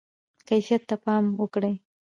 کیفیت ته پام وکړئ